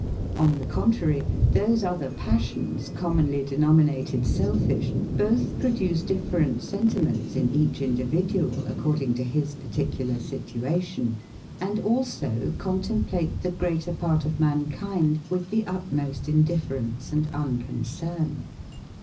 On the contrary, those other passions, commonly denominated selfish, both produce different sentiments in each individual, according to his particular situation; and also contemplate the greater part of mankind with the utmost indifference and unconcern.